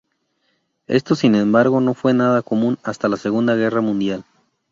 Esto sin embargo no fue nada común hasta la Segunda Guerra Mundial.